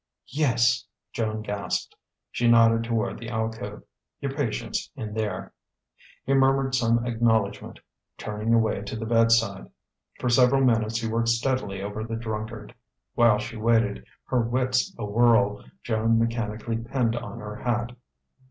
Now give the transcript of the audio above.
"Yes," Joan gasped. She nodded toward the alcove: "Your patient's in there." He murmured some acknowledgment, turning away to the bedside. For several minutes he worked steadily over the drunkard. While she waited, her wits awhirl, Joan mechanically pinned on her hat.